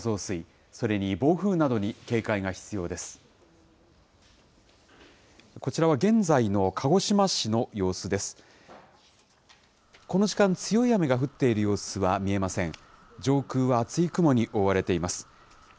上空は厚い雲に覆われています。